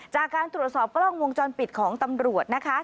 จากการตรวจสอบกล้องวงจรปิดของตำรวจนะคะ